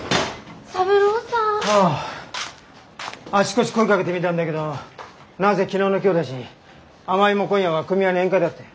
あちこち声かけてみたんだけど何せ昨日の今日だしあまゆも今夜は組合の宴会だって。